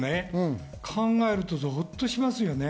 考えるとぞっとします。